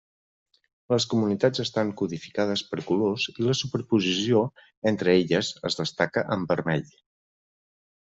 Les comunitats estan codificades per colors i la superposició entre elles es destaca amb vermell.